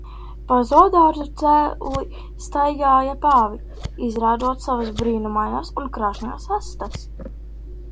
Pa zoodārzu cēli staigāja pāvi, izrādot savas brīnumainās un krāšņās astes